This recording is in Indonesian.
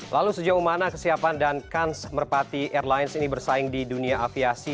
lalu sejauh mana kesiapan dan kans merpati airlines ini bersaing di dunia aviasi